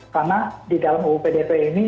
karena di dalam uu pdt ini